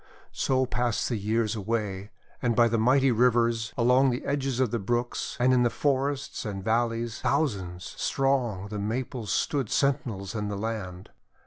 So passed the years away, and by the mighty rivers, along the edges of the brooks, and in the forests and valleys, thousands strong the Maples stood sentinels in the land.